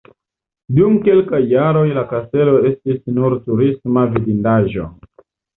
Dum kelkaj jaroj la kastelo estis nur turisma vidindaĵo.